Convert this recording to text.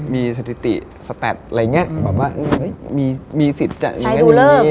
มีสถิติแสตรอะไรอย่างเงี้ยแบบว่ามีสิทธิ์จัดอย่างเงี้ย